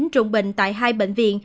trung bình tại hai bệnh viện